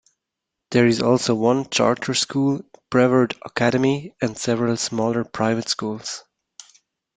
There is also one Charter School, Brevard Academy, and several smaller private schools.